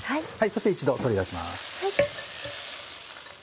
そして一度取り出します。